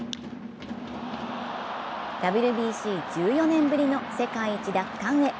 ＷＢＣ１４年ぶりの世界一奪還へ。